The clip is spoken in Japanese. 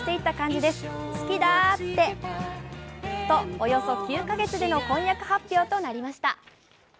およそ９か月での婚約発表となりました。